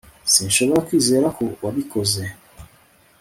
Sinshobora kwizera ko wabikoze